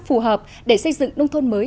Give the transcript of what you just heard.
phù hợp để xây dựng nông thôn mới